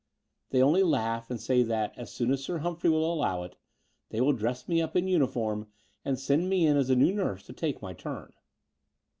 They only laugh and say that, as soon as Sir Hum phrey will allow it, they will dress me up in luii form and send me in as the new nurse to take my turn."